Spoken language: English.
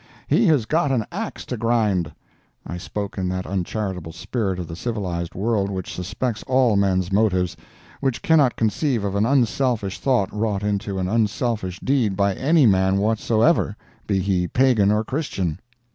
"He has got an ax to grind." I spoke in that uncharitable spirit of the civilized world which suspects all men's motives—which cannot conceive of an unselfish thought wrought into an unselfish deed by any man whatsoever, be he Pagan or Christian.